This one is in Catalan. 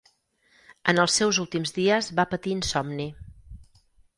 En els seus últims dies va patir insomni.